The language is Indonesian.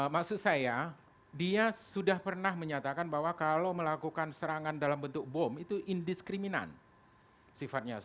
maksud saya dia sudah pernah menyatakan bahwa kalau melakukan serangan dalam bentuk bom itu indiskriminan sifatnya